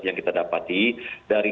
yang kita dapati dari